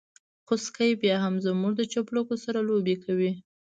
خوسکي بيا هم زموږ د چپلکو سره لوبې کوي.